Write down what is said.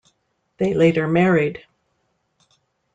They later married.